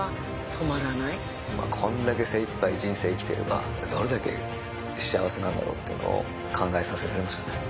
こんだけ精いっぱい人生生きてればどれだけ幸せなんだろうってのを考えさせられましたね。